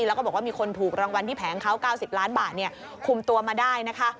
แล้วก็บอกว่ามีคนถูกรางวัลที่แผงเขา๙๐ล้านบาทคุมตัวมาได้นะคะ